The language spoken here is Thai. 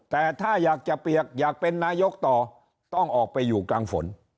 แต่ถ้าอยากจะเปียกอยากเป็นนายกต่อต้องออกไปอยู่กลางฝน